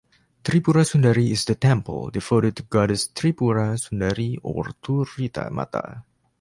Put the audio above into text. Tripura Sundari is the temple, devoted to Goddess Tripura Sundari or Turita Mata.